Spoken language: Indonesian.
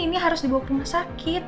ini harus dibawa ke rumah sakit